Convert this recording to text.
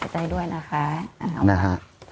ใจด้วยนะคะ